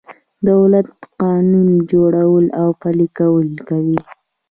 دولت قانون جوړول او پلي کول کوي.